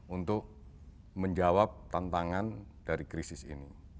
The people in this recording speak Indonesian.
untuk menjawab tantangan dari krisis ini